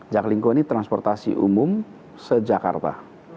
jaklingko ini transportasi umum se jakarta